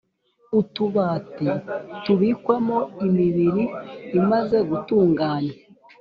Utubati tubikwamo imibiri imaze gutunganywa